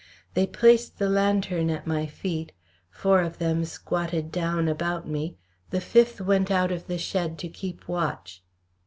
They placed the lantern at my feet, four of them squatted down about me, the fifth went out of the shed to keep watch.